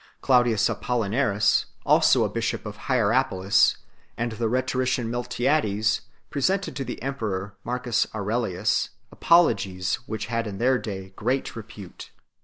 Claudius Apollinaris 5 also, bishop of Hierapolis, and the rhetorician Miltiades 6 presented to the emperor Marcus Aurelius Apologies which had in their day great repute.